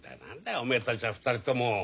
おめえたちは２人とも。